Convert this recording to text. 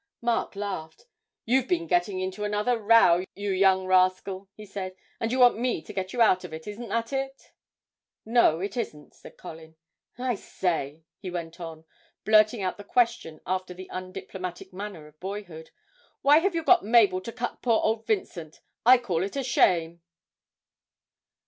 Mark laughed. 'You've been getting into another row, you young rascal,' he said, 'and you want me to get you out of it isn't that it?' 'No, it isn't,' said Colin. 'I say,' he went on, blurting out the question after the undiplomatic manner of boyhood, 'why have you got Mabel to cut poor old Vincent? I call it a shame!'